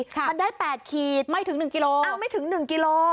มันได้๘ขีดไม่ถึง๑กิโลอ้าวไม่ถึง๑กิโล